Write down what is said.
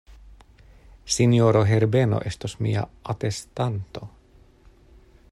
Sinjoro Herbeno estos mia atestanto.